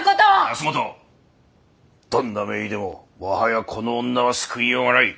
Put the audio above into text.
保本どんな名医でももはやこの女は救いようがない。